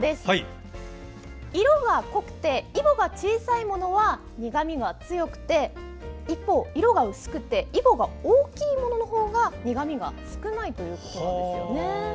色が濃くてイボが小さいものは苦みが強くて一方、色が薄くてイボが大きいもののほうが苦みが少ないということです。